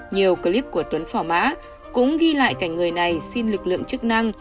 nhiều clip của tuấn phỏ mã cũng ghi lại cảnh người này xin lực lượng chức năng